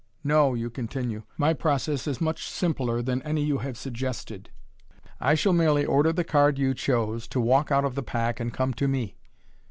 " No," you continue, " my process is much simpler than any you have suggested. I shall merely order the card you chose to walk out of the pack, and come to me."